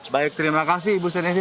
baik terima kasih ibu senesi